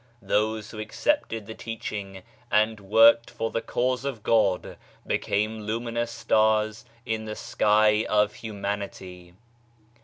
Those who accepted the Teaching and worked for the Cause of God, became luminous stars in the sky of Humanity.